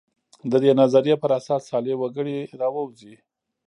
د دې نظریې پر اساس صالح وګړي راووځي.